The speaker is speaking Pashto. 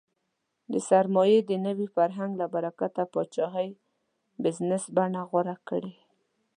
د سرمایې د نوي فرهنګ له برکته پاچاهۍ بزنس بڼه غوره کړې.